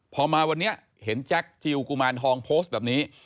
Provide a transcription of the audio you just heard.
พอมาวันนี้เห็นแจ็คจิลกุมารทองโพสต์แบบนี้